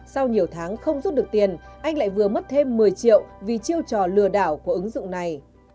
sau nhiều tháng không rút được tiền anh lại vừa mất thêm một mươi triệu vì chiêu trò lừa đảo của ứng dụng này